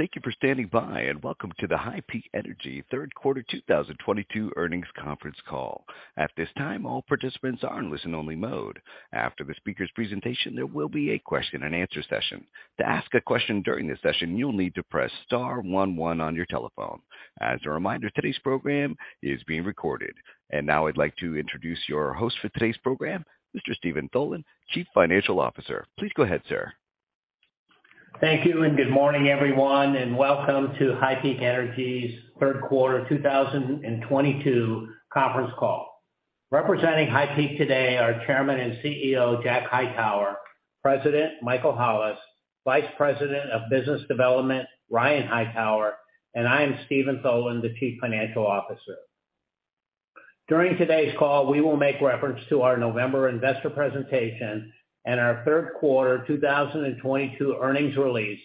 Thank you for standing by and welcome to the HighPeak Energy Q3 2022 Earnings Conference Call. At this time, all participants are in listen only mode. After the speaker's presentation, there will be a Q&A session. To ask a question during this session, you'll need to press star one one on your telephone. As a reminder, today's program is being recorded. Now I'd like to introduce your host for today's program, Mr. Steven Tholen, Chief Financial Officer. Please go ahead, sir. Thank you, and good morning, everyone, and welcome to HighPeak Energy's Q3 2022 conference call. Representing HighPeak today are Chairman and CEO, Jack Hightower, President Michael Hollis, Vice President of Business Development, Ryan Hightower, and I am Steven Tholen, the Chief Financial Officer. During today's call, we will make reference to our November investor presentation and our Q3 2022 earnings release,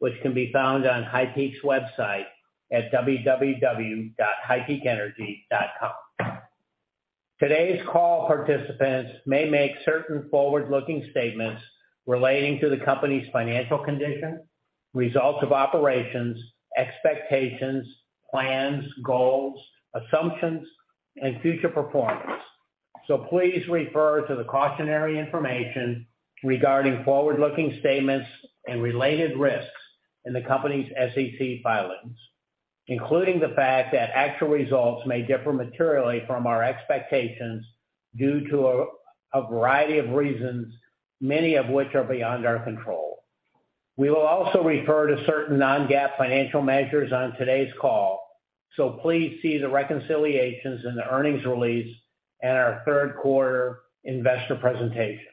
which can be found on HighPeak's website at www.highpeakenergy.com. Today's call participants may make certain forward-looking statements relating to the company's financial condition, results of operations, expectations, plans, goals, assumptions, and future performance. Please refer to the cautionary information regarding forward-looking statements and related risks in the company's SEC filings, including the fact that actual results may differ materially from our expectations due to a variety of reasons, many of which are beyond our control. We will also refer to certain non-GAAP financial measures on today's call, so please see the reconciliations in the earnings release and our Q3 investor presentation.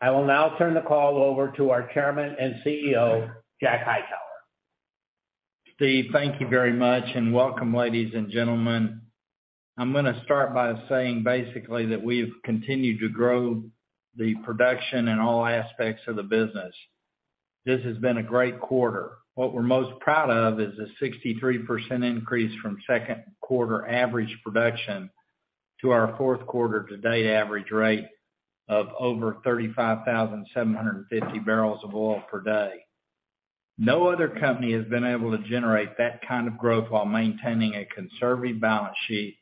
I will now turn the call over to our Chairman and CEO, Jack Hightower. Steven, thank you very much, and welcome, ladies and gentlemen. I'm gonna start by saying basically that we've continued to grow the production in all aspects of the business. This has been a great quarter. What we're most proud of is a 63% increase from Q2 average production to our Q4 to date average rate of over 35,750 barrels of oil per day. No other company has been able to generate that kind of growth while maintaining a conservative balance sheet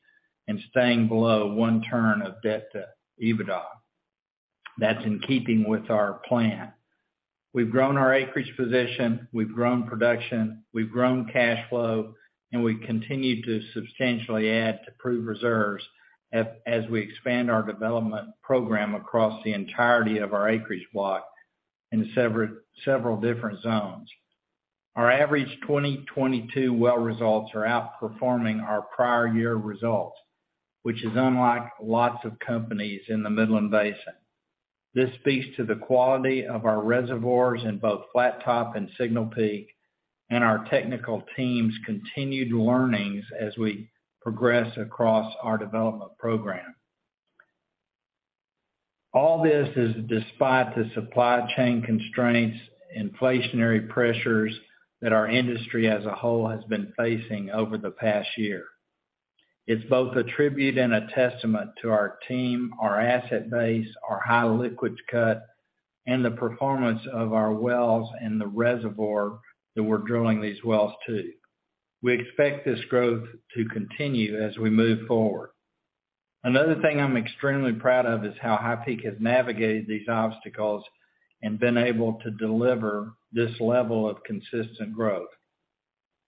and staying below one turn of debt to EBITDA. That's in keeping with our plan. We've grown our acreage position, we've grown production, we've grown cash flow, and we continue to substantially add to proved reserves as we expand our development program across the entirety of our acreage block in several different zones. Our average 2022 well results are outperforming our prior year results, which is unlike lots of companies in the Midland Basin. This speaks to the quality of our reservoirs in both Flattop and Signal Peak, and our technical team's continued learnings as we progress across our development program. All this is despite the supply chain constraints, inflationary pressures that our industry as a whole has been facing over the past year. It's both a tribute and a testament to our team, our asset base, our high liquids cut, and the performance of our wells and the reservoir that we're drilling these wells to. We expect this growth to continue as we move forward. Another thing I'm extremely proud of is how HighPeak Energy has navigated these obstacles and been able to deliver this level of consistent growth.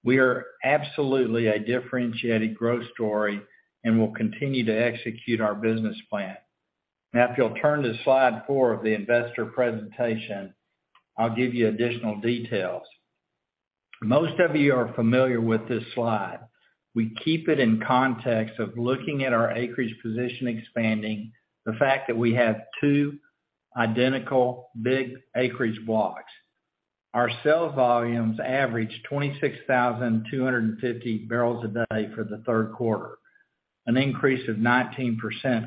We are absolutely a differentiated growth story, and we'll continue to execute our business plan. Now, if you'll turn to slide four of the investor presentation, I'll give you additional details. Most of you are familiar with this slide. We keep it in context of looking at our acreage position expanding, the fact that we have two identical big acreage blocks. Our sales volumes averaged 26,250 barrels a day for the Q3, an increase of 19%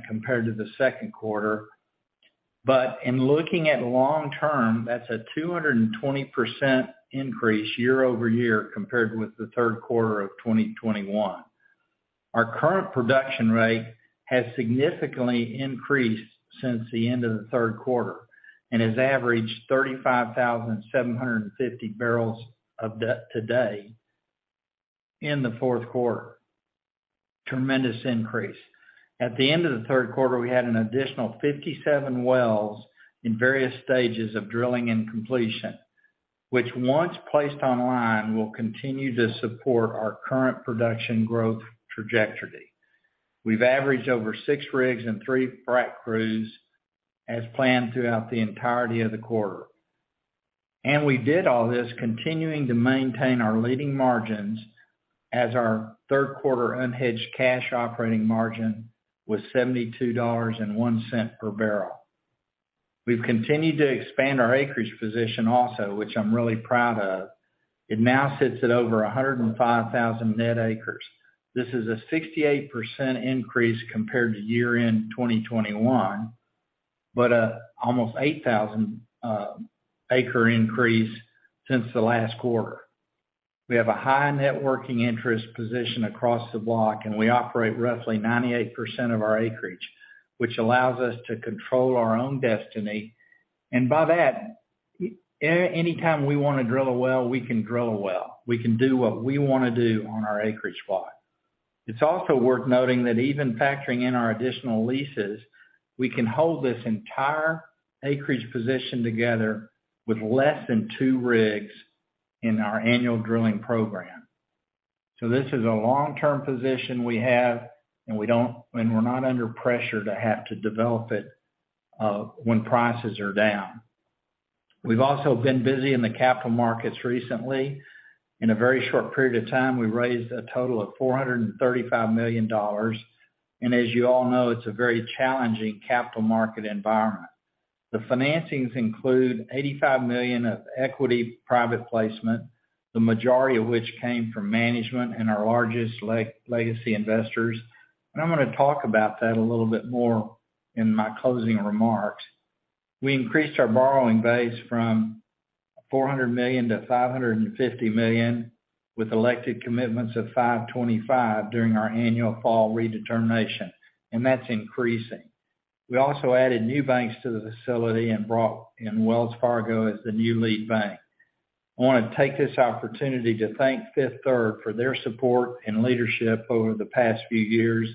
compared to the Q2. In looking at long term, that's a 220% increase year-over-year compared with the Q3 of 2021. Our current production rate has significantly increased since the end of the Q3 and has averaged 35,750 BOE to date in the Q4. Tremendous increase. At the end of the Q3, we had an additional 57 wells in various stages of drilling and completion, which once placed online, will continue to support our current production growth trajectory. We've averaged over six rigs and three frac crews as planned throughout the entirety of the quarter. We did all this continuing to maintain our leading margins as our Q3 unhedged cash operating margin was $72.01 per barrel. We've continued to expand our acreage position also, which I'm really proud of. It now sits at over 105,000 net acres. This is a 68% increase compared to year-end 2021, but an almost 8,000-acre increase since the last quarter. We have a high net working interest position across the block, and we operate roughly 98% of our acreage, which allows us to control our own destiny. By that, anytime we wanna drill a well, we can drill a well. We can do what we wanna do on our acreage spot. It's also worth noting that even factoring in our additional leases, we can hold this entire acreage position together with less than two rigs in our annual drilling program. This is a long-term position we have, and we're not under pressure to have to develop it, when prices are down. We've also been busy in the capital markets recently. In a very short period of time, we've raised a total of $435 million. As you all know, it's a very challenging capital market environment. The financings include $85 million of equity private placement, the majority of which came from management and our largest legacy investors. I'm gonna talk about that a little bit more in my closing remarks. We increased our borrowing base from $400 million to $550 million, with elected commitments of $525 million during our annual fall redetermination, and that's increasing. We also added new banks to the facility and brought in Wells Fargo as the new lead bank. I wanna take this opportunity to thank Fifth Third for their support and leadership over the past few years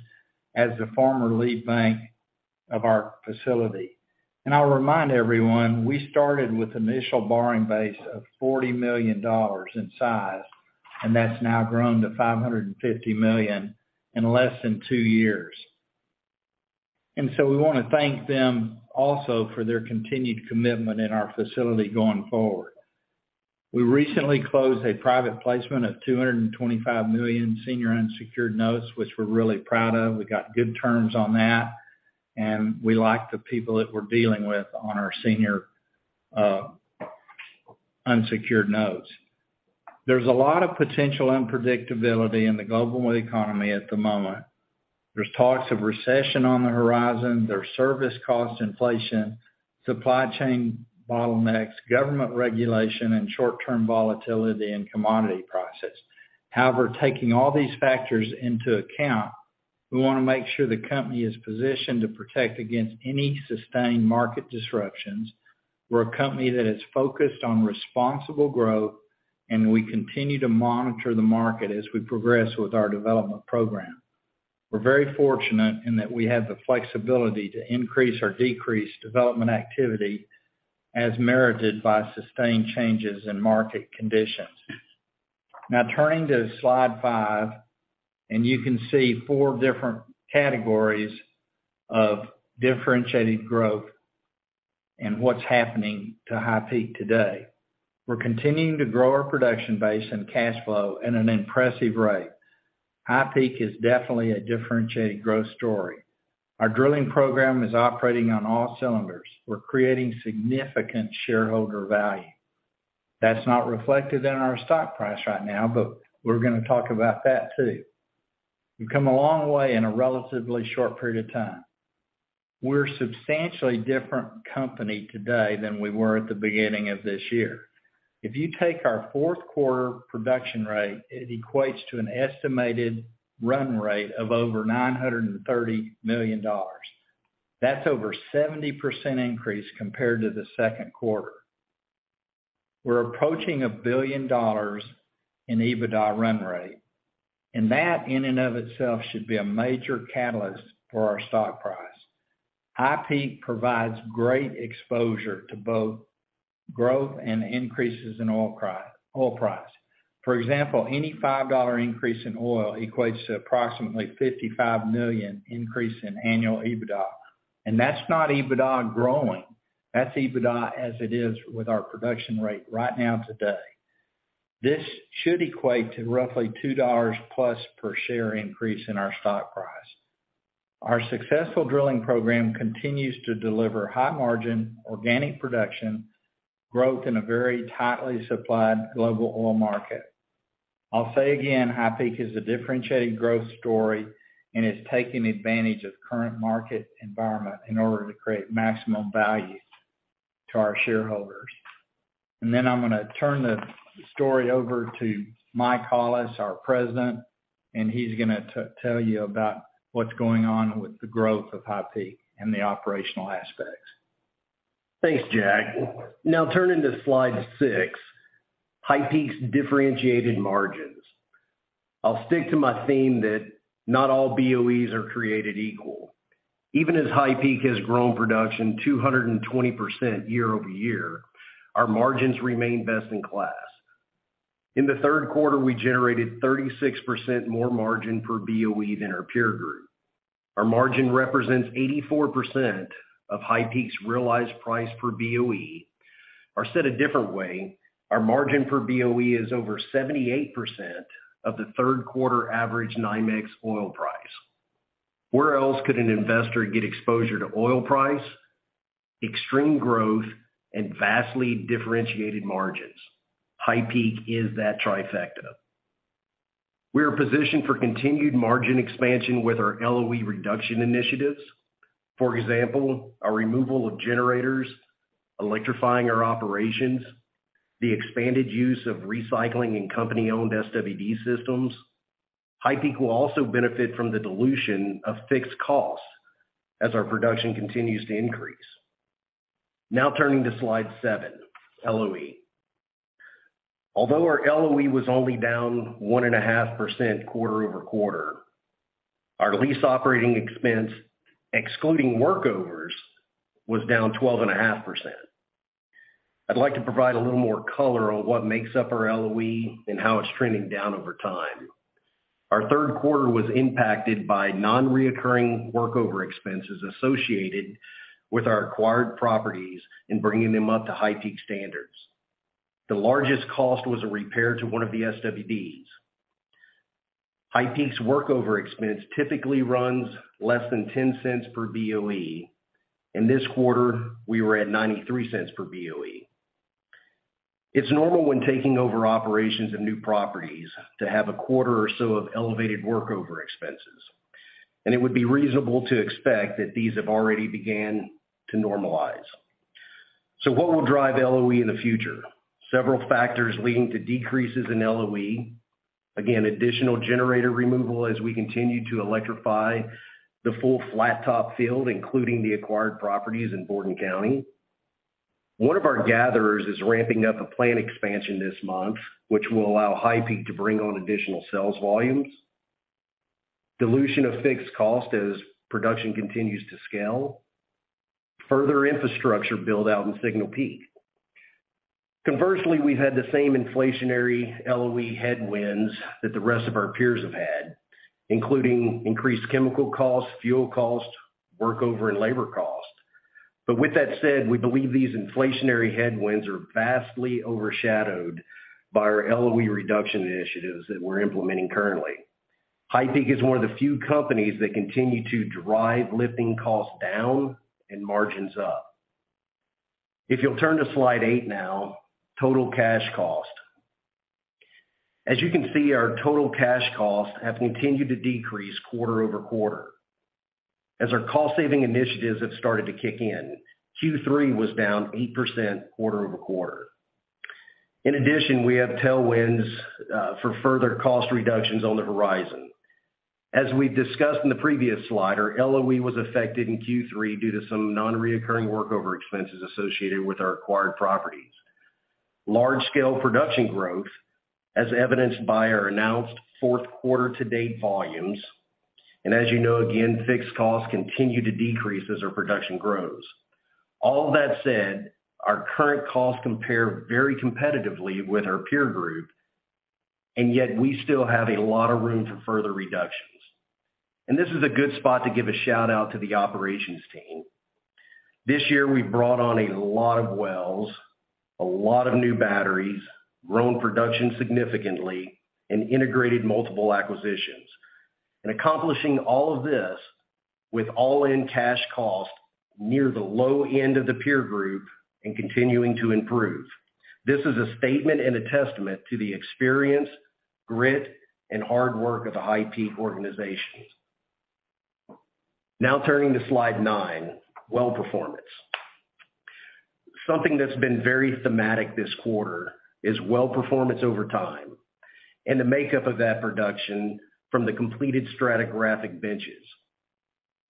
as the former lead bank of our facility. I'll remind everyone, we started with initial borrowing base of $40 million in size, and that's now grown to $550 million in less than two years. We wanna thank them also for their continued commitment in our facility going forward. We recently closed a private placement of $225 million senior unsecured notes, which we're really proud of. We got good terms on that, and we like the people that we're dealing with on our senior unsecured notes. There's a lot of potential unpredictability in the global economy at the moment. There's talks of recession on the horizon, there's service cost inflation, supply chain bottlenecks, government regulation, and short-term volatility in commodity prices. However, taking all these factors into account, we wanna make sure the company is positioned to protect against any sustained market disruptions. We're a company that is focused on responsible growth, and we continue to monitor the market as we progress with our development program. We're very fortunate in that we have the flexibility to increase or decrease development activity as merited by sustained changes in market conditions. Now turning to slide five, and you can see four different categories of differentiated growth and what's happening to HighPeak today. We're continuing to grow our production base and cash flow at an impressive rate. HighPeak is definitely a differentiated growth story. Our drilling program is operating on all cylinders. We're creating significant shareholder value. That's not reflected in our stock price right now, but we're gonna talk about that too. We've come a long way in a relatively short period of time. We're a substantially different company today than we were at the beginning of this year. If you take our Q4 production rate, it equates to an estimated run rate of over $930 million. That's over 70% increase compared to the Q2. We're approaching $1 billion in EBITDA run rate, and that in and of itself should be a major catalyst for our stock price. HighPeak Energy provides great exposure to both growth and increases in oil price. For example, any $5 increase in oil equates to approximately $55 million increase in annual EBITDA. That's not EBITDA growing, that's EBITDA as it is with our production rate right now today. This should equate to roughly $2+ per share increase in our stock price. Our successful drilling program continues to deliver high margin, organic production, growth in a very tightly supplied global oil market. I'll say again, HighPeak Energy is a differentiated growth story and is taking advantage of current market environment in order to create maximum value to our shareholders. I'm gonna turn the story over to Michael Hollis, our President, and he's gonna tell you about what's going on with the growth of HighPeak and the operational aspects. Thanks, Jack. Now turning to slide six, HighPeak's differentiated margins. I'll stick to my theme that not all BOEs are created equal. Even as HighPeak has grown production 220% year-over-year, our margins remain best in class. In the Q3, we generated 36% more margin per BOE than our peer group. Our margin represents 84% of HighPeak's realized price per BOE. Or said a different way, our margin per BOE is over 78% of the Q3 average NYMEX oil price. Where else could an investor get exposure to oil price, extreme growth, and vastly differentiated margins? HighPeak is that trifecta. We are positioned for continued margin expansion with our LOE reduction initiatives. For example, our removal of generators, electrifying our operations. The expanded use of recycling and company-owned SWD systems. HighPeak will also benefit from the dilution of fixed costs as our production continues to increase. Now turning to slide seven, LOE. Although our LOE was only down 1.5% quarter-over-quarter, our lease operating expense, excluding workovers, was down 12.5%. I'd like to provide a little more color on what makes up our LOE and how it's trending down over time. Our Q3 was impacted by non-recurring workover expenses associated with our acquired properties and bringing them up to HighPeak standards. The largest cost was a repair to one of the SWDs. HighPeak's workover expense typically runs less than $0.10 per BOE. In this quarter, we were at $0.93 per BOE. It's normal when taking over operations of new properties to have a quarter or so of elevated workover expenses, and it would be reasonable to expect that these have already began to normalize. What will drive LOE in the future? Several factors leading to decreases in LOE. Again, additional generator removal as we continue to electrify the full Flattop field, including the acquired properties in Borden County. One of our gatherers is ramping up a plant expansion this month, which will allow HighPeak to bring on additional sales volumes. Dilution of fixed cost as production continues to scale. Further infrastructure build-out in Signal Peak. Conversely, we've had the same inflationary LOE headwinds that the rest of our peers have had, including increased chemical costs, fuel costs, workover and labor costs. With that said, we believe these inflationary headwinds are vastly overshadowed by our LOE reduction initiatives that we're implementing currently. HighPeak is one of the few companies that continue to drive lifting costs down and margins up. If you'll turn to slide eight now, total cash cost. As you can see, our total cash costs have continued to decrease quarter-over-quarter. As our cost saving initiatives have started to kick in, Q3 was down 8% quarter-over-quarter. In addition, we have tailwinds for further cost reductions on the horizon. As we discussed in the previous slide, our LOE was affected in Q3 due to some non-recurring workover expenses associated with our acquired properties. Large-scale production growth, as evidenced by our announced Q4 to date volumes. As you know again, fixed costs continue to decrease as our production grows. All that said, our current costs compare very competitively with our peer group, and yet we still have a lot of room for further reductions. This is a good spot to give a shout out to the operations team. This year, we brought on a lot of wells, a lot of new batteries, grown production significantly and integrated multiple acquisitions. Accomplishing all of this with all-in cash cost near the low end of the peer group and continuing to improve. This is a statement and a testament to the experience, grit, and hard work of the HighPeak organization. Now turning to slide nine, well performance. Something that's been very thematic this quarter is well performance over time and the makeup of that production from the completed stratigraphic benches.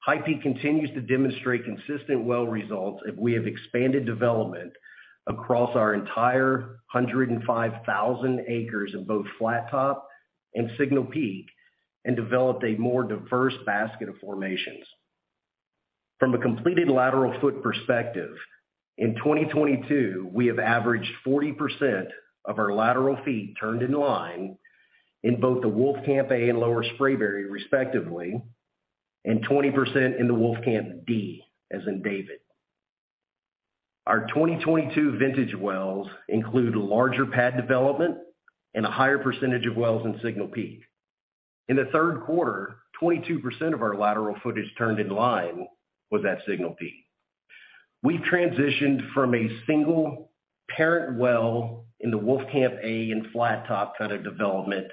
HighPeak continues to demonstrate consistent well results as we have expanded development across our entire 105,000 acres in both Flattop and Signal Peak and developed a more diverse basket of formations. From a completed lateral foot perspective, in 2022, we have averaged 40% of our lateral feet turned in line in both the Wolfcamp A and Lower Spraberry, respectively, and 20% in the Wolfcamp D, as in David. Our 2022 vintage wells include larger pad development and a higher percentage of wells in Signal Peak. In the Q3, 22% of our lateral footage turned in line was at Signal Peak. We transitioned from a single parent well in the Wolfcamp A and Flattop kind of development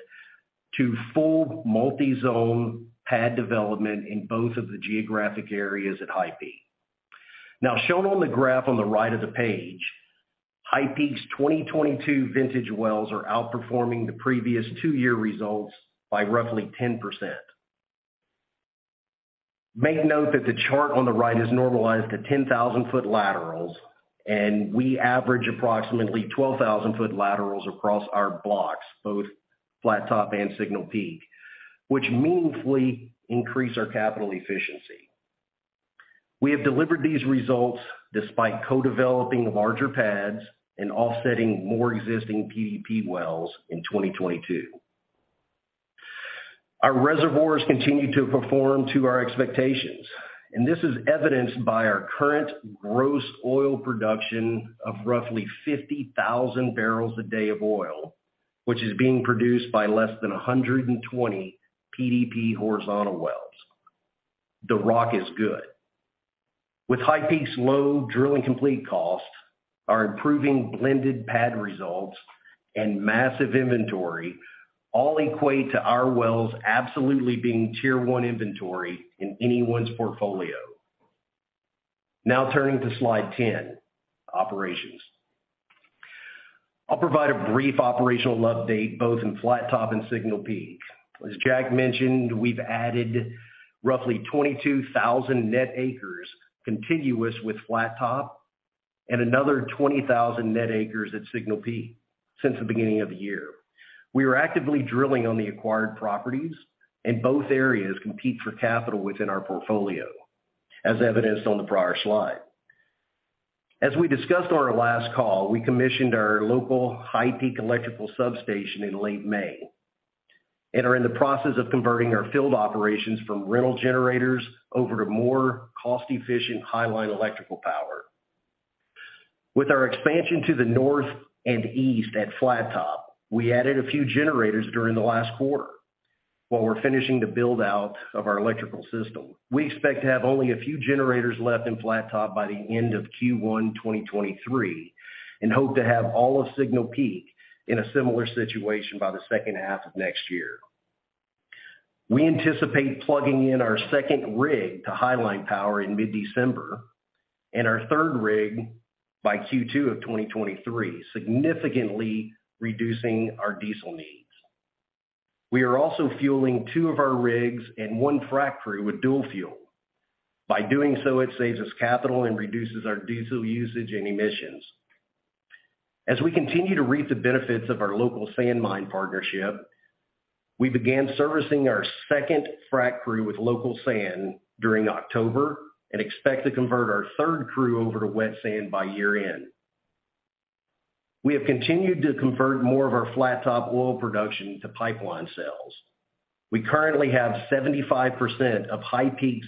to full multi-zone pad development in both of the geographic areas at HighPeak. Now, shown on the graph on the right of the page, HighPeak's 2022 vintage wells are outperforming the previous two-year results by roughly 10%. Make note that the chart on the right is normalized to 10,000-foot laterals, and we average approximately 12,000-foot laterals across our blocks, both Flattop and Signal Peak, which meaningfully increase our capital efficiency. We have delivered these results despite co-developing larger pads and offsetting more existing PDP wells in 2022. Our reservoirs continue to perform to our expectations, and this is evidenced by our current gross oil production of roughly 50,000 barrels a day of oil, which is being produced by less than 120 PDP horizontal wells. The rock is good. With HighPeak's low drill and complete costs, our improving blended pad results and massive inventory all equate to our wells absolutely being tier one inventory in anyone's portfolio. Now turning to slide 10, operations. I'll provide a brief operational update both in Flattop and Signal Peak. As Jack mentioned, we've added roughly 22,000 net acres contiguous with Flattop and another 20,000 net acres at Signal Peak since the beginning of the year. We are actively drilling on the acquired properties, and both areas compete for capital within our portfolio, as evidenced on the prior slide. As we discussed on our last call, we commissioned our local HighPeak electrical substation in late May, and are in the process of converting our field operations from rental generators over to more cost-efficient highline electrical power. With our expansion to the north and east at Flattop, we added a few generators during the last quarter while we're finishing the build-out of our electrical system. We expect to have only a few generators left in Flattop by the end of Q1 2023 and hope to have all of Signal Peak in a similar situation by the second half of next year. We anticipate plugging in our second rig to highline power in mid-December and our third rig by Q2 of 2023, significantly reducing our diesel needs. We are also fueling two of our rigs and one frac crew with dual fuel. By doing so, it saves us capital and reduces our diesel usage and emissions. As we continue to reap the benefits of our local sand mine partnership, we began servicing our second frac crew with local sand during October and expect to convert our third crew over to wet sand by year-end. We have continued to convert more of our Flattop oil production to pipeline sales. We currently have 75% of HighPeak's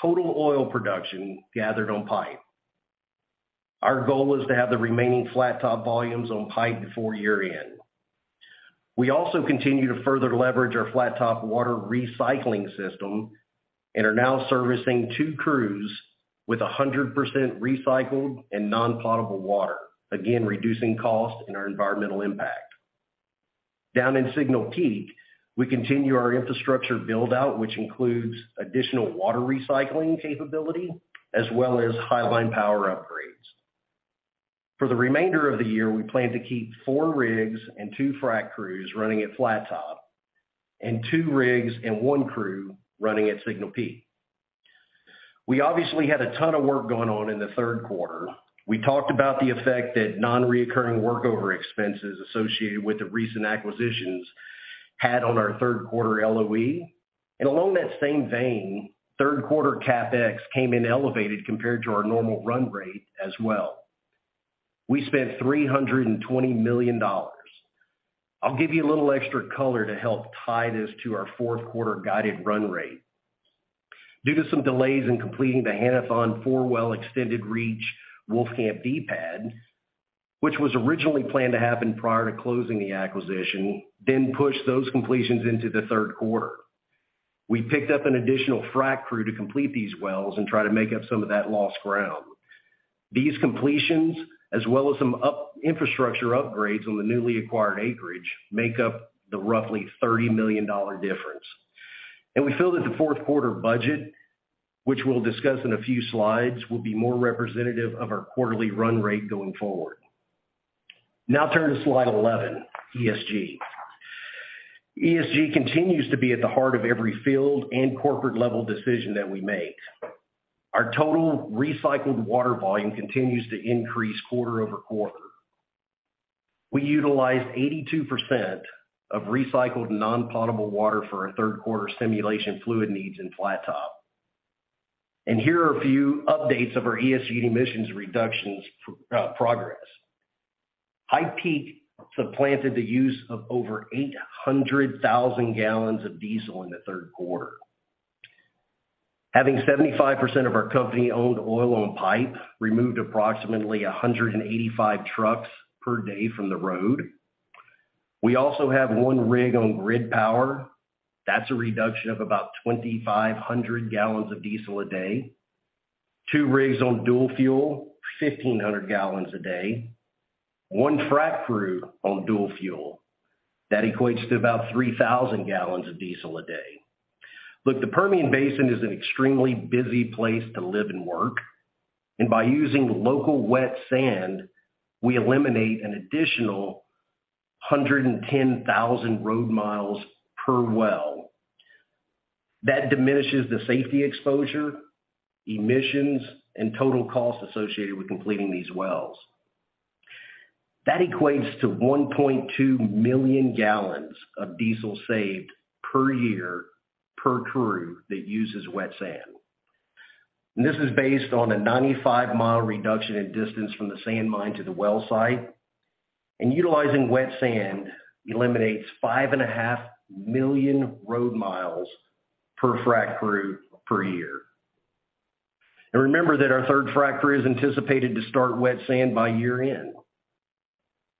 total oil production gathered on pipe. Our goal is to have the remaining Flattop volumes on pipe before year-end. We also continue to further leverage our Flattop water recycling system and are now servicing two crews with 100% recycled and non-potable water, again, reducing cost and our environmental impact. Down in Signal Peak, we continue our infrastructure build-out, which includes additional water recycling capability as well as highline power upgrades. For the remainder of the year, we plan to keep four rigs and two frac crews running at Flattop and two rigs and one crew running at Signal Peak. We obviously had a ton of work going on in the Q3. We talked about the effect that non-reoccurring workover expenses associated with the recent acquisitions had on our Q3 LOE. Along that same vein, Q3 CapEx came in elevated compared to our normal run rate as well. We spent $320 million. I'll give you a little extra color to help tie this to our Q4 guided run rate. Due to some delays in completing the Hannathon four well extended reach Wolfcamp D pad, which was originally planned to happen prior to closing the acquisition, then pushed those completions into the Q3. We picked up an additional frac crew to complete these wells and try to make up some of that lost ground. These completions, as well as some infrastructure upgrades on the newly acquired acreage, make up the roughly $30 million difference. We feel that the Q4 budget, which we'll discuss in a few slides, will be more representative of our quarterly run rate going forward. Now turning to slide 11, ESG. ESG continues to be at the heart of every field and corporate level decision that we make. Our total recycled water volume continues to increase quarter-over-quarter. We utilized 82% of recycled non-potable water for our Q3 stimulation fluid needs in Flattop. Here are a few updates of our ESG emissions reductions progress. HighPeak supplanted the use of over 800,000 gallons of diesel in the Q3. Having 75% of our company-owned oil on pipe removed approximately 185 trucks per day from the road. We also have one rig on grid power. That's a reduction of about 2,500 gallons of diesel a day. two rigs on dual fuel, 1,500 gallons a day. one frac crew on dual fuel. That equates to about 3,000 gallons of diesel a day. Look, the Permian Basin is an extremely busy place to live and work, and by using local wet sand, we eliminate an additional 110,000 road miles per well. That diminishes the safety exposure, emissions, and total cost associated with completing these wells. That equates to 1.2 million gallons of diesel saved per year, per crew that uses wet sand. This is based on a 95-mile reduction in distance from the sand mine to the well site. Utilizing wet sand eliminates 5.5 million road miles per frac crew per year. Remember that our third frac crew is anticipated to start wet sand by year-end.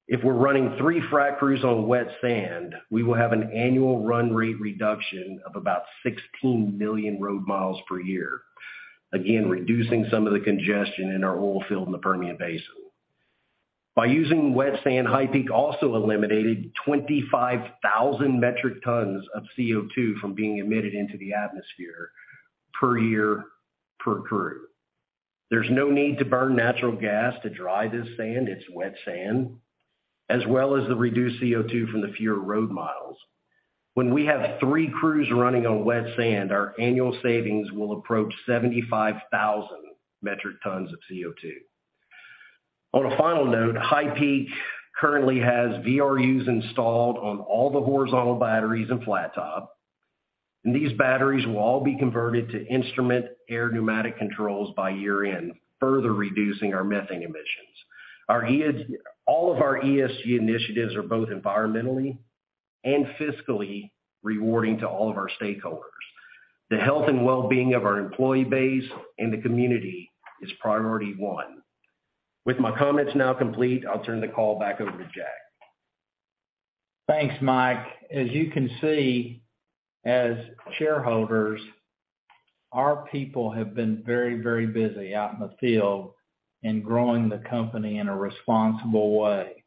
If we're running three frac crew on wet sand, we will have an annual run rate reduction of about 16 million road miles per year. Again, reducing some of the congestion in our oil field in the Permian Basin. By using wet sand, HighPeak also eliminated 25,000 metric tons of CO2 from being emitted into the atmosphere per year per crew. There's no need to burn natural gas to dry this sand. It's wet sand, as well as the reduced CO2 from the fewer road miles. When we have three crews running on wet sand, our annual savings will approach 75,000 metric tons of CO2. On a final note, HighPeak currently has VRUs installed on all the horizontal batteries in Flattop, and these batteries will all be converted to instrument air pneumatic controls by year-end, further reducing our methane emissions. All of our ESG initiatives are both environmentally and fiscally rewarding to all of our stakeholders. The health and well-being of our employee base and the community is priority one. With my comments now complete, I'll turn the call back over to Jack. Thanks, Mike. As you can see, as shareholders, our people have been very, very busy out in the field in growing the company in a responsible way.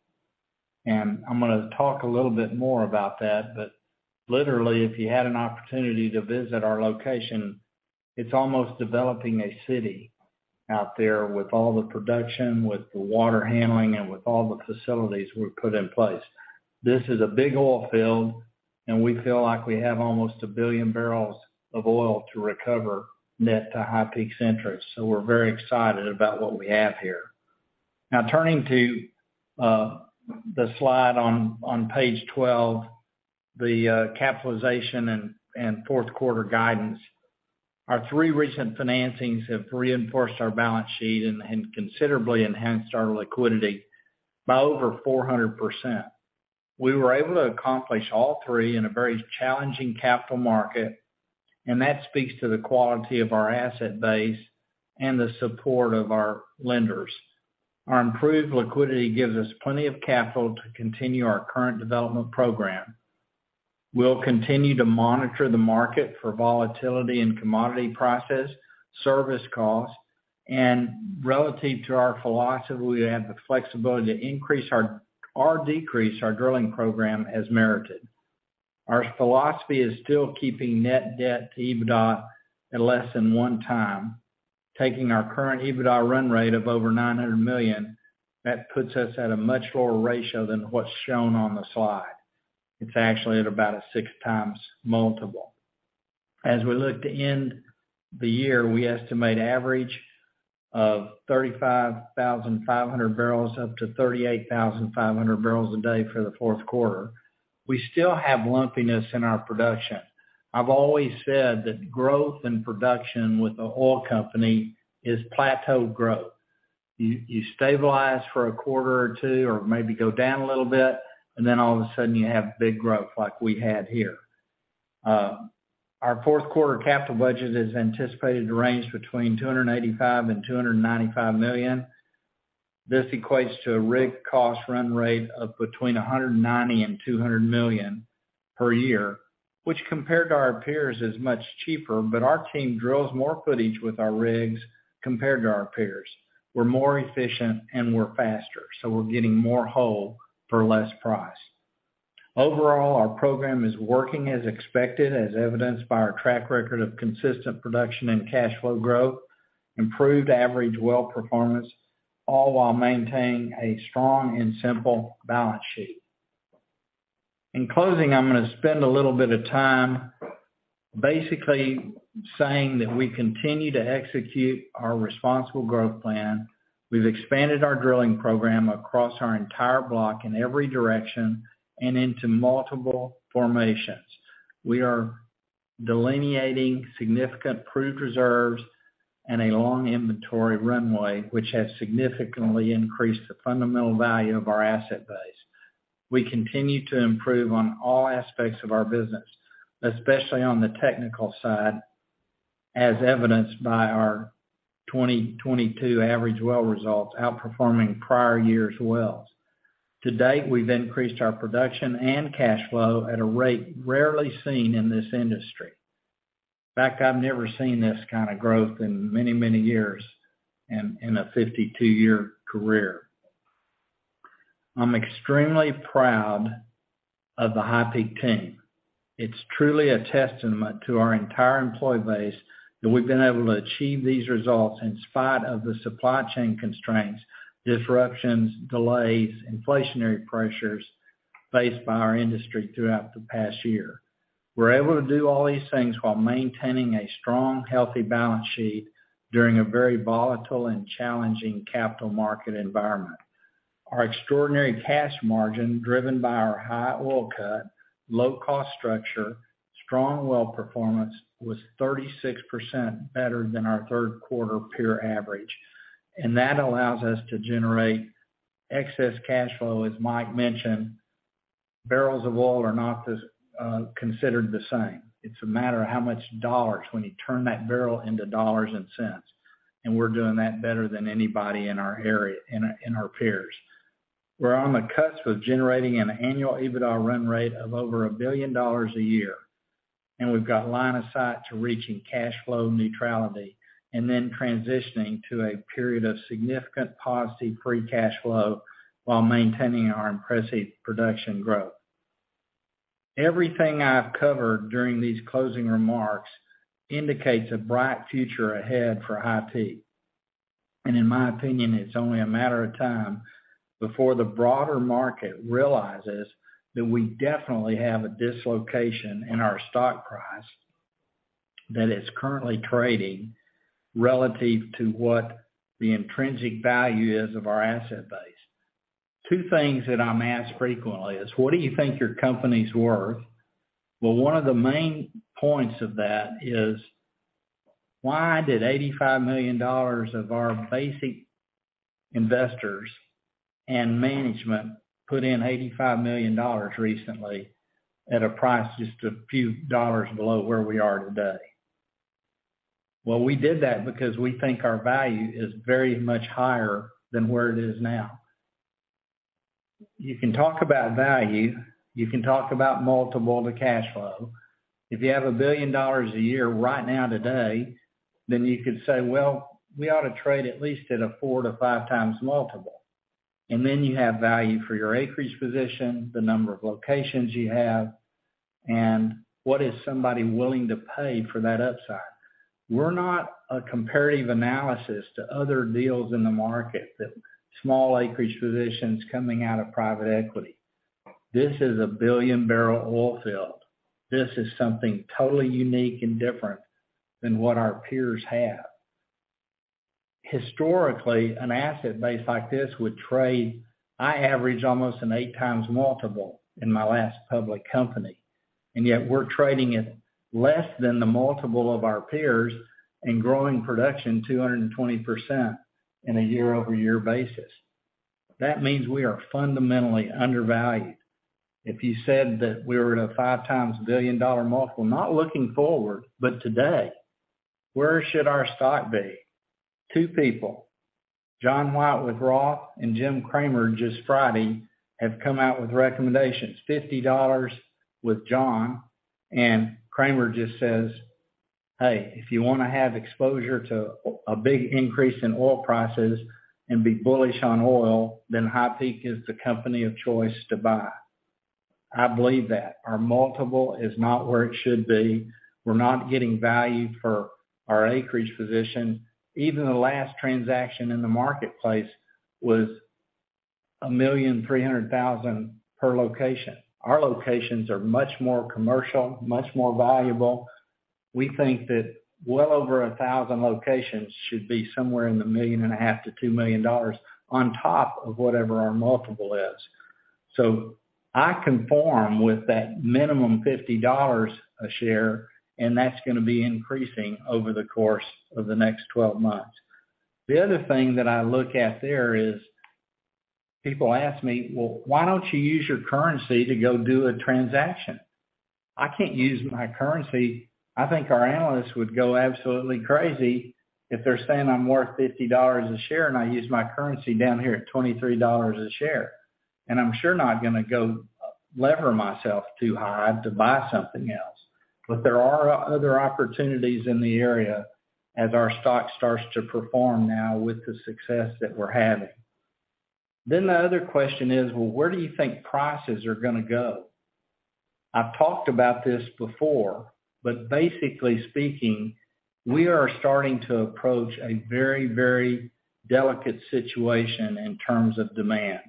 I'm gonna talk a little bit more about that. Literally, if you had an opportunity to visit our location, it's almost developing a city out there with all the production, with the water handling, and with all the facilities we've put in place. This is a big oil field, and we feel like we have almost 1 billion barrels of oil to recover net to HighPeak's interest. We're very excited about what we have here. Now, turning to the slide on page 12, the capitalization and Q4 guidance. Our three recent financings have reinforced our balance sheet and considerably enhanced our liquidity by over 400%. We were able to accomplish all three in a very challenging capital market, and that speaks to the quality of our asset base and the support of our lenders. Our improved liquidity gives us plenty of capital to continue our current development program. We'll continue to monitor the market for volatility and commodity prices, service costs, and relative to our philosophy, we have the flexibility to increase our or decrease our drilling program as merited. Our philosophy is still keeping net debt to EBITDA at less than 1x, taking our current EBITDA run rate of over $900 million, that puts us at a much lower ratio than what's shown on the slide. It's actually at about a 6x multiple. As we look to end the year, we estimate average of 35,500 barrels up to 38,500 barrels a day for the Q4. We still have lumpiness in our production. I've always said that growth in production with the oil company is plateaued growth. You stabilize for a quarter or two or maybe go down a little bit, and then all of a sudden you have big growth like we had here. Our Q4 capital budget is anticipated to range between $285 million and $295 million. This equates to a rig cost run rate of between $190 million and $200 million per year, which compared to our peers, is much cheaper. Our team drills more footage with our rigs compared to our peers. We're more efficient and we're faster, so we're getting more hole for less price. Overall, our program is working as expected, as evidenced by our track record of consistent production and cash flow growth, improved average well performance, all while maintaining a strong and simple balance sheet. In closing, I'm gonna spend a little bit of time basically saying that we continue to execute our responsible growth plan. We've expanded our drilling program across our entire block in every direction and into multiple formations. We are delineating significant proved reserves and a long inventory runway, which has significantly increased the fundamental value of our asset base. We continue to improve on all aspects of our business, especially on the technical side, as evidenced by our 2022 average well results outperforming prior years' wells. To date, we've increased our production and cash flow at a rate rarely seen in this industry. In fact, I've never seen this kinda growth in many, many years in a 52-year career. I'm extremely proud of the HighPeak team. It's truly a testament to our entire employee base that we've been able to achieve these results in spite of the supply chain constraints, disruptions, delays, inflationary pressures faced by our industry throughout the past year. We're able to do all these things while maintaining a strong, healthy balance sheet during a very volatile and challenging capital market environment. Our extraordinary cash margin, driven by our high oil cut, low cost structure, strong well performance, was 36% better than our Q3 peer average, and that allows us to generate excess cash flow, as Mike mentioned. Barrels of oil are not considered the same. It's a matter of how much dollars when you turn that barrel into dollars and cents, and we're doing that better than anybody in our area, in our peers. We're on the cusp of generating an annual EBITDA run rate of over $1 billion a year. We've got line of sight to reaching cash flow neutrality and then transitioning to a period of significant positive free cash flow while maintaining our impressive production growth. Everything I've covered during these closing remarks indicates a bright future ahead for HP. In my opinion, it's only a matter of time before the broader market realizes that we definitely have a dislocation in our stock price that is currently trading relative to what the intrinsic value is of our asset base. Two things that I'm asked frequently is, what do you think your company's worth? Well, one of the main points of that is, why did $85 million of our basic investors and management put in $85 million recently at a price just a few dollars below where we are today? Well, we did that because we think our value is very much higher than where it is now. You can talk about value. You can talk about multiple to cash flow. If you have $1 billion a year right now today, then you could say, "Well, we ought to trade at least at a 4x to 5x multiple." You have value for your acreage position, the number of locations you have, and what is somebody willing to pay for that upside? We're not a comparative analysis to other deals in the market that small acreage positions coming out of private equity. This is a 1 billion-barrel oil field. This is something totally unique and different than what our peers have. Historically, an asset base like this would trade. I average almost an 8x multiple in my last public company, and yet we're trading at less than the multiple of our peers and growing production 220% in a year-over-year basis. That means we are fundamentally undervalued. If you said that we were at a 5x billion-dollar multiple, not looking forward, but today, where should our stock be? Two people, John White with Roth and Jim Cramer just Friday have come out with recommendations. $50 with John and Cramer just says, "Hey, if you wanna have exposure to a big increase in oil prices and be bullish on oil, then HighPeak is the company of choice to buy." I believe that. Our multiple is not where it should be. We're not getting value for our acreage position. Even the last transaction in the marketplace was $1.3 million per location. Our locations are much more commercial, much more valuable. We think that well over 1,000 locations should be somewhere in the $1.5 million to $2 million on top of whatever our multiple is. I concur with that minimum $50 a share, and that's gonna be increasing over the course of the next 12 months. The other thing that I look at there is people ask me, "Well, why don't you use your currency to go do a transaction?" I can't use my currency. I think our analysts would go absolutely crazy if they're saying I'm worth $50 a share, and I use my currency down here at $23 a share. I'm sure not gonna go lever myself too high to buy something else. There are other opportunities in the area as our stock starts to perform now with the success that we're having. The other question is, "Well, where do you think prices are gonna go?" I've talked about this before, but basically speaking, we are starting to approach a very, very delicate situation in terms of demand.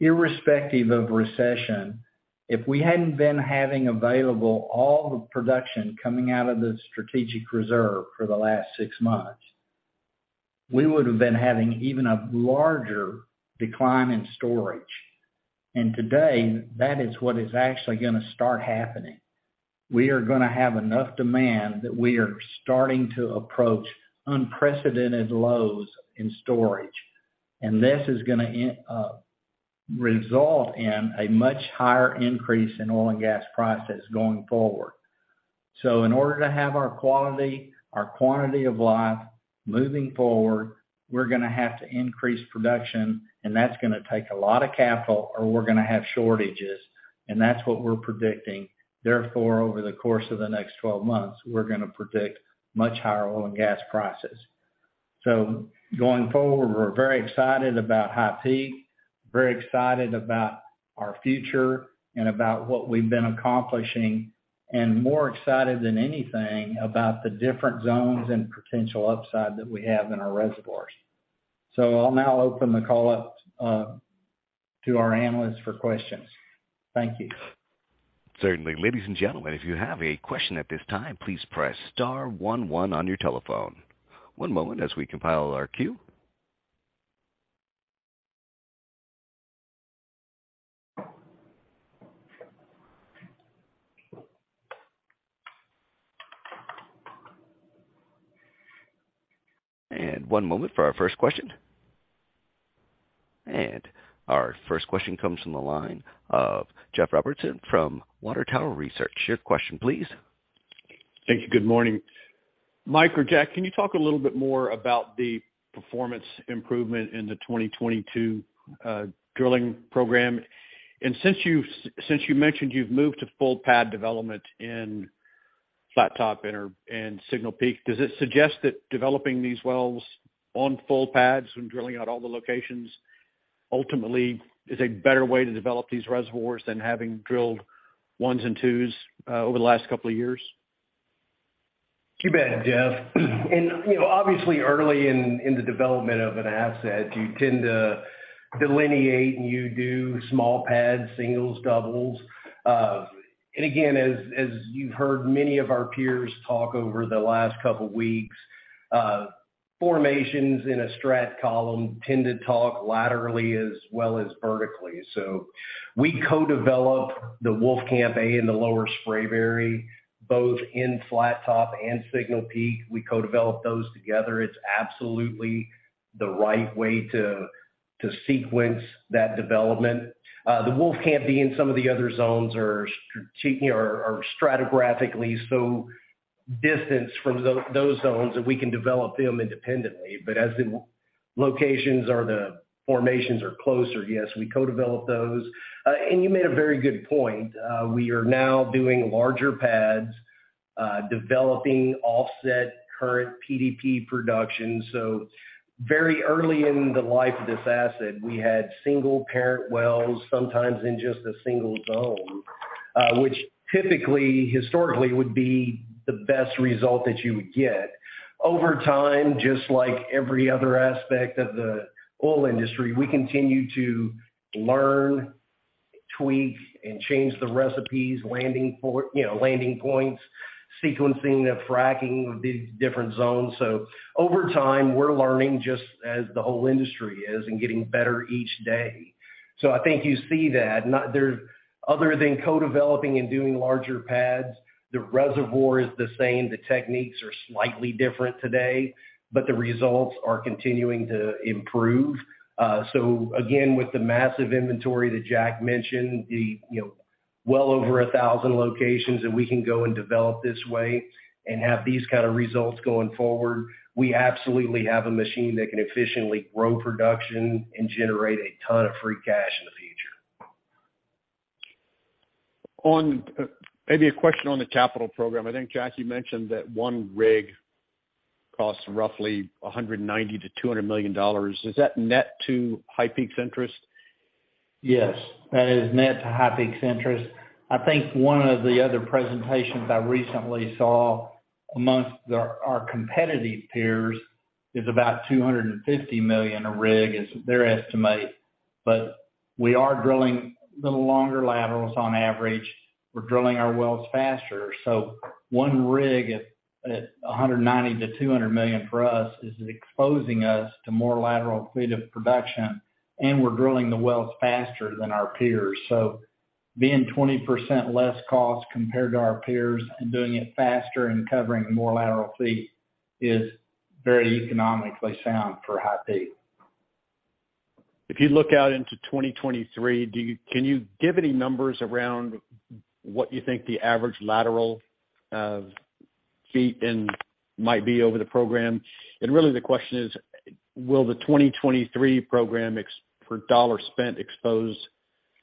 Irrespective of recession, if we hadn't been having available all the production coming out of the strategic reserve for the last six months, we would have been having even a larger decline in storage. Today, that is what is actually gonna start happening. We are gonna have enough demand that we are starting to approach unprecedented lows in storage, and this is gonna end, result in a much higher increase in oil and gas prices going forward. In order to have our quality, our quantity of life moving forward, we're gonna have to increase production, and that's gonna take a lot of capital or we're gonna have shortages, and that's what we're predicting. Therefore, over the course of the next 12 months, we're gonna predict much higher oil and gas prices. Going forward, we're very excited about HighPeak, very excited about our future and about what we've been accomplishing, and more excited than anything about the different zones and potential upside that we have in our reservoirs. I'll now open the call up to our analysts for questions. Thank you. Certainly. Ladies and gentlemen, if you have a question at this time, please press star one one on your telephone. One moment as we compile our queue. One moment for our first question. Our first question comes from the line of Jeff Robertson from Water Tower Research. Your question, please. Thank you. Good morning. Mike or Jack, can you talk a little bit more about the performance improvement in the 2022 drilling program? Since you mentioned you've moved to full pad development in Flattop and Signal Peak, does it suggest that developing these wells on full pads and drilling out all the locations ultimately is a better way to develop these reservoirs than having drilled ones and twos over the last couple of years? You bet, Jeff. You know, obviously early in the development of an asset, you tend to delineate and you do small pads, singles, doubles. Again, as you've heard many of our peers talk over the last couple weeks, formations in a strat column tend to talk laterally as well as vertically. We co-develop the Wolfcamp A in the Lower Spraberry, both in Flattop and Signal Peak. We co-develop those together. It's absolutely the right way to sequence that development. The Wolfcamp B in some of the other zones are stratigraphically so distant from those zones that we can develop them independently. As the locations or the formations are closer, yes, we co-develop those. You made a very good point. We are now doing larger pads, developing offset current PDP production. Very early in the life of this asset, we had single parent wells, sometimes in just a single zone, which typically, historically would be the best result that you would get. Over time, just like every other aspect of the oil industry, we continue to learn, tweak, and change the recipes, landing point, you know, landing points, sequencing the fracking of these different zones. Over time, we're learning just as the whole industry is and getting better each day. I think you see that. Other than co-developing and doing larger pads, the reservoir is the same. The techniques are slightly different today, but the results are continuing to improve. Again, with the massive inventory that Jack mentioned, you know, well over 1,000 locations that we can go and develop this way and have these kind of results going forward, we absolutely have a machine that can efficiently grow production and generate a ton of free cash in the future. Maybe a question on the capital program. I think, Jack, you mentioned that one rig costs roughly $190 million to $200 million. Is that net to HighPeak's interest? Yes, that is net to HighPeak's interest. I think one of the other presentations I recently saw amongst our competitive peers is about $250 million a rig is their estimate. We are drilling a little longer laterals on average. We're drilling our wells faster. One rig at a hundred and ninety to two hundred million for us is exposing us to more lateral feet of production, and we're drilling the wells faster than our peers. Being 20% less cost compared to our peers and doing it faster and covering more lateral feet is very economically sound for HighPeak. If you look out into 2023, can you give any numbers around what you think the average lateral feet in might be over the program? Really the question is, will the 2023 program per dollar spent expose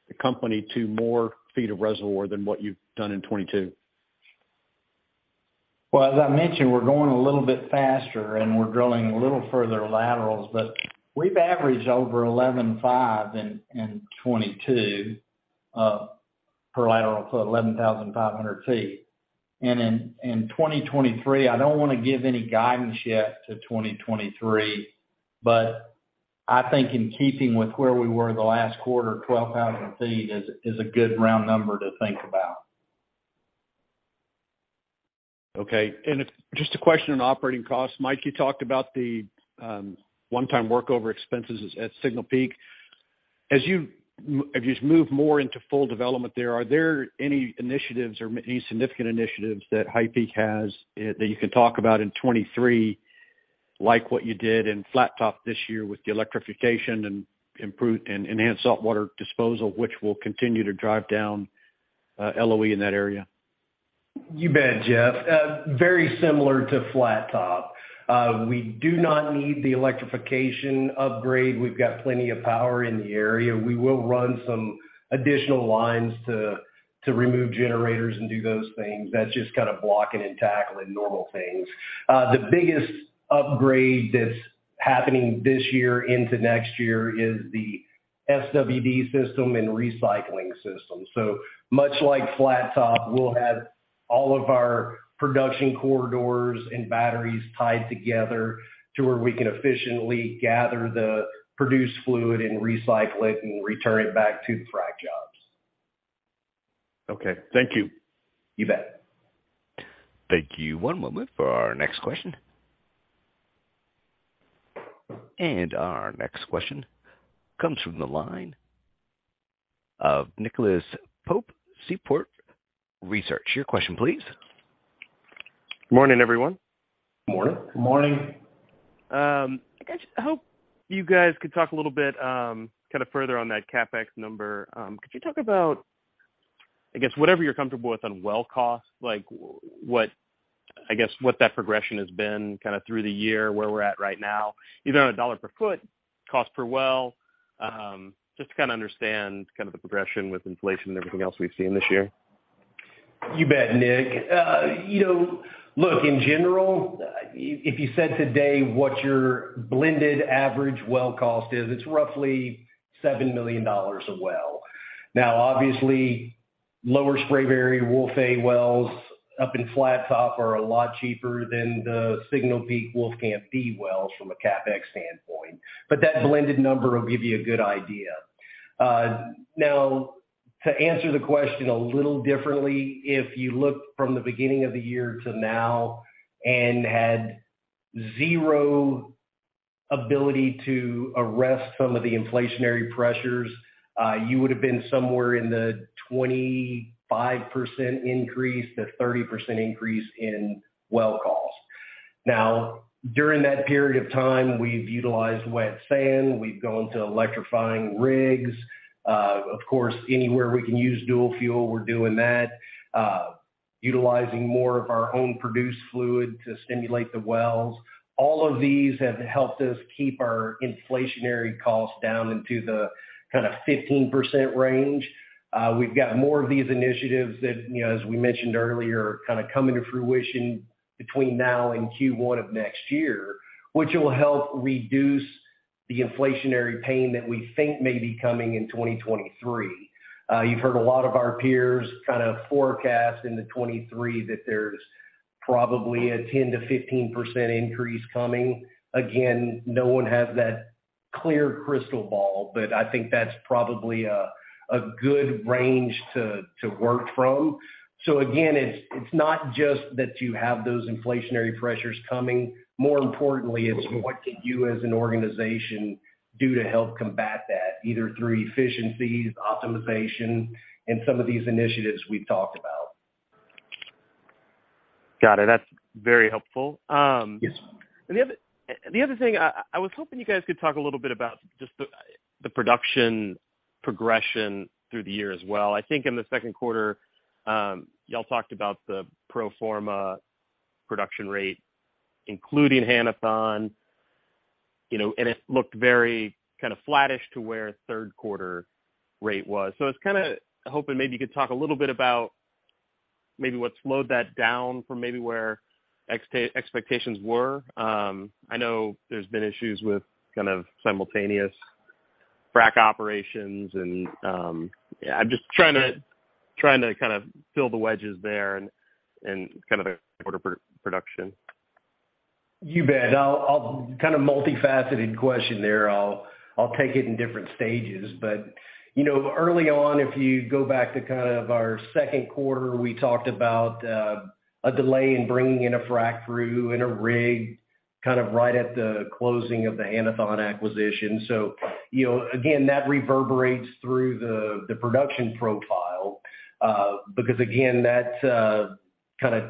the company to more feet of reservoir than what you've done in 2022? Well, as I mentioned, we're going a little bit faster, and we're drilling a little longer laterals. We've averaged over 11.5 in 2022 per lateral, so 11,500 feet. In 2023, I don't wanna give any guidance yet to 2023, but I think in keeping with where we were the last quarter, 12,000 feet is a good round number to think about. Okay. It's just a question on operating costs. Mike, you talked about the one-time workover expenses at Signal Peak. As you move more into full development there, are there any initiatives or any significant initiatives that HighPeak has that you can talk about in 2023, like what you did in Flattop this year with the electrification and enhanced saltwater disposal, which will continue to drive down LOE in that area? You bet, Jeff. Very similar to Flattop. We do not need the electrification upgrade. We've got plenty of power in the area. We will run some additional lines to remove generators and do those things. That's just kind of blocking and tackling normal things. The biggest upgrade that's happening this year into next year is the SWD system and recycling system. Much like Flattop, we'll have all of our production corridors and batteries tied together to where we can efficiently gather the produced fluid and recycle it and return it back to the frac jobs. Okay. Thank you. You bet. Thank you. One moment for our next question. Our next question comes from the line of Nicholas Pope, Seaport Research. Your question please. Morning, everyone. Morning. Morning. I guess I hope you guys could talk a little bit, kind of further on that CapEx number. Could you talk about, I guess, whatever you're comfortable with on well cost, like what I guess what that progression has been kinda through the year, where we're at right now, either on a dollar per foot cost per well, just to kinda understand kind of the progression with inflation and everything else we've seen this year. You bet, Nick. You know, look, in general, if you said today what your blended average well cost is, it's roughly $7 million a well. Now, obviously, Lower Spraberry Wolfcamp A wells up in Flattop are a lot cheaper than the Signal Peak Wolfcamp B wells from a CapEx standpoint. That blended number will give you a good idea. Now, to answer the question a little differently, if you look from the beginning of the year to now and had zero ability to arrest some of the inflationary pressures, you would have been somewhere in the 25% to 30% increase in well costs. Now, during that period of time, we've utilized wet sand. We've gone to electrifying rigs. Of course, anywhere we can use dual fuel, we're doing that, utilizing more of our own produced fluid to stimulate the wells. All of these have helped us keep our inflationary costs down into the kinda 15% range. We've got more of these initiatives that, you know, as we mentioned earlier, are kinda coming to fruition between now and Q1 of next year, which will help reduce the inflationary pain that we think may be coming in 2023. You've heard a lot of our peers kinda forecast into 2023 that there's probably a 10% to 15% increase coming. Again, no one has that clear crystal ball, but I think that's probably a good range to work from. Again, it's not just that you have those inflationary pressures coming. More importantly, it's what can you as an organization do to help combat that, either through efficiencies, optimization, and some of these initiatives we've talked about. Got it. That's very helpful. Yes. The other thing I was hoping you guys could talk a little bit about just the production progression through the year as well. I think in the Q2, y'all talked about the pro forma production rate, including Hannathon, you know, and it looked very kinda flattish to where Q3 rate was. I was kinda hoping maybe you could talk a little bit about maybe what slowed that down from maybe where ex ante expectations were. I know there's been issues with kind of simultaneous frack operations and, yeah, I'm just trying to kind of fill the wedges there and kind of the quarter production. You bet. Kind of multifaceted question there. I'll take it in different stages. You know, early on, if you go back to kind of our Q2, we talked about a delay in bringing in a frac crew and a rig kind of right at the closing of the Hannathon acquisition. You know, again, that reverberates through the production profile because again, that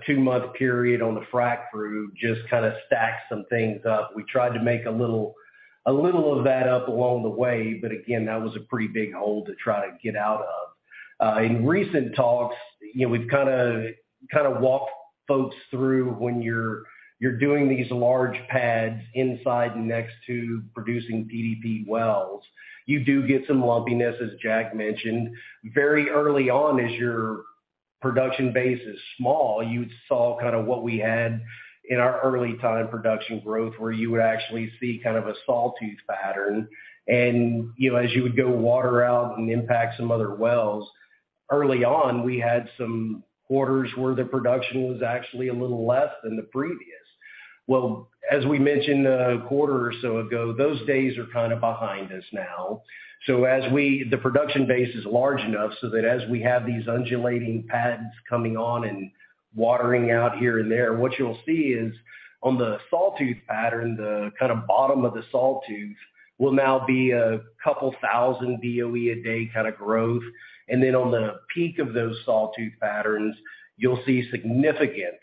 two-month period on the frac crew just kind of stacked some things up. We tried to make a little of that up along the way, but again, that was a pretty big hole to try to get out of. In recent talks, you know, we've kind of walked folks through when you're doing these large pads inside and next to producing PDP wells, you do get some lumpiness, as Jack mentioned. Very early on, as your production base is small, you saw kinda what we had in our early time production growth, where you would actually see kind of a sawtooth pattern. You know, as you would go water out and impact some other wells, early on, we had some quarters where the production was actually a little less than the previous. Well, as we mentioned a quarter or so ago, those days are kinda behind us now. The production base is large enough so that as we have these undulating pads coming on and watering out here and there, what you'll see is on the sawtooth pattern, the kinda bottom of the sawtooth will now be 2,000 BOE a day kinda growth. Then on the peak of those sawtooth patterns, you'll see significant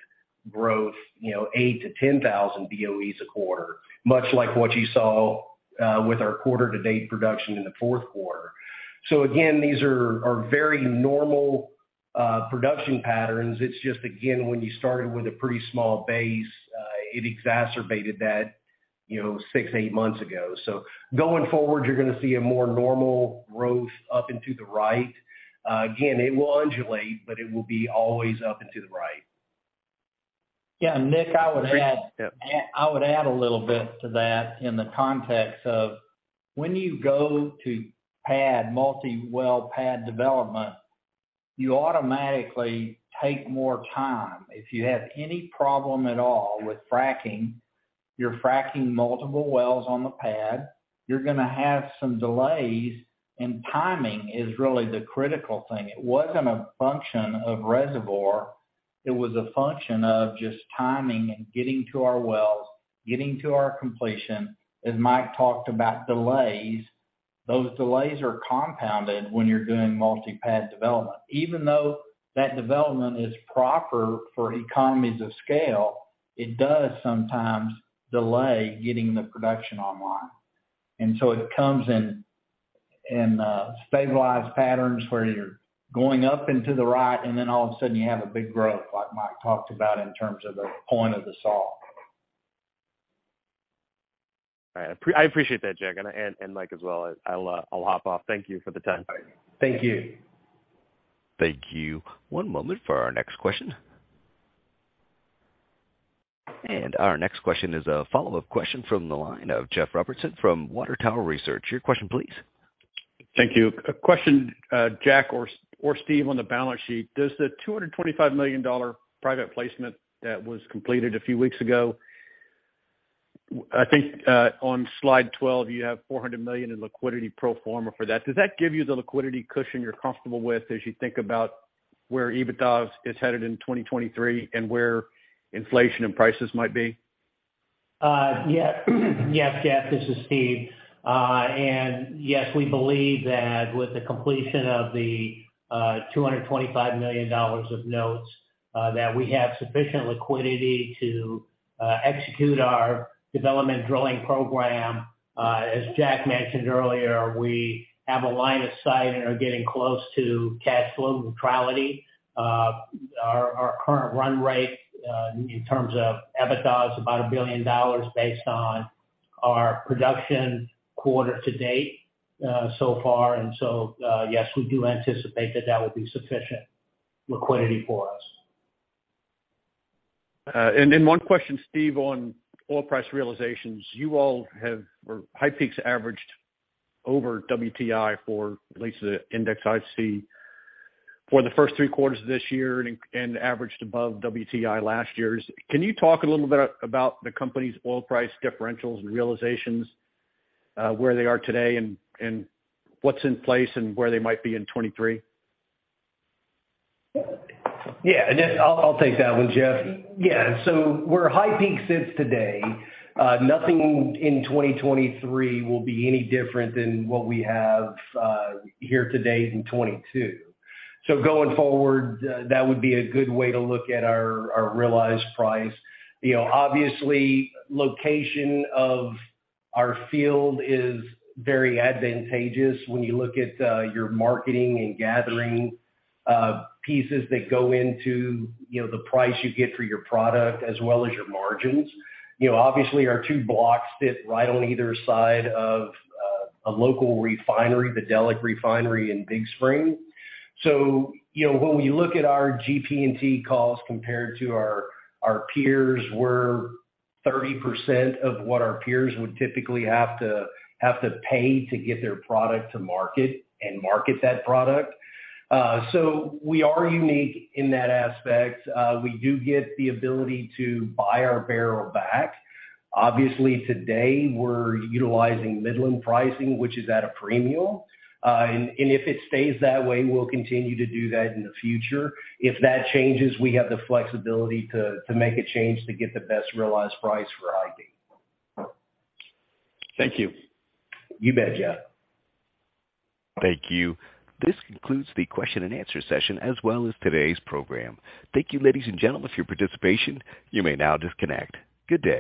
growth, you know, 8,000-10,000 BOEs a quarter, much like what you saw with our quarter to date production in the Q4. Again, these are very normal production patterns. It's just, again, when you started with a pretty small base, it exacerbated that, you know, six to eight months ago. Going forward, you're gonna see a more normal growth up and to the right. Again, it will undulate, but it will be always up and to the right. Yeah, Nick, I would add. Yep. I would add a little bit to that in the context of when you go to pad, multi-well pad development, you automatically take more time. If you have any problem at all with fracking, you're fracking multiple wells on the pad, you're gonna have some delays, and timing is really the critical thing. It wasn't a function of reservoir. It was a function of just timing and getting to our wells, getting to our completion. As Mike talked about delays, those delays are compounded when you're doing multi-pad development. Even though that development is proper for economies of scale, it does sometimes delay getting the production online. It comes in stabilized patterns where you're going up and to the right, and then all of a sudden you have a big growth, like Mike talked about in terms of the point of the saw. All right. I appreciate that, Jack, and Mike as well. I'll hop off. Thank you for the time. Thank you. Thank you. One moment for our next question. Our next question is a follow-up question from the line of Jeff Robertson from Water Tower Research. Your question please. Thank you. A question, Jack or Steve, on the balance sheet. Does the $225 million private placement that was completed a few weeks ago, I think on slide 12, you have $400 million in liquidity pro forma for that. Does that give you the liquidity cushion you're comfortable with as you think about where EBITDA is headed in 2023 and where inflation and prices might be? Yes. Yes, Jeff, this is Steve. Yes, we believe that with the completion of the $225 million of notes, that we have sufficient liquidity to execute our development drilling program. As Jack mentioned earlier, we have a line of sight and are getting close to cash flow neutrality. Our current run rate in terms of EBITDA is about $1 billion based on our production quarter to date, so far. Yes, we do anticipate that would be sufficient liquidity for us. One question, Steve, on oil price realizations. HighPeak's averaged over WTI for at least the index I see for the first three quarters of this year and averaged above WTI last year. Can you talk a little bit about the company's oil price differentials and realizations, where they are today and what's in place and where they might be in 2023? Yeah. I'll take that one, Jeff. Yeah. Where HighPeak sits today, nothing in 2023 will be any different than what we have here today in 2022. Going forward, that would be a good way to look at our realized price. You know, obviously, location of our field is very advantageous when you look at your marketing and gathering pieces that go into, you know, the price you get for your product as well as your margins. You know, obviously, our two blocks sit right on either side of a local refinery, the Delek Refinery in Big Spring. you know, when we look at our GP&T costs compared to our peers, we're 30% of what our peers would typically have to pay to get their product to market and market that product. We are unique in that aspect. We do get the ability to buy our barrel back. Obviously, today, we're utilizing Midland pricing, which is at a premium. If it stays that way, we'll continue to do that in the future. If that changes, we have the flexibility to make a change to get the best realized price for HP. Thank you. You bet, Jeff. Thank you. This concludes the Q&A session as well as today's program. Thank you, ladies and gentlemen, for your participation. You may now disconnect. Good day.